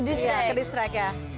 dia ke detraik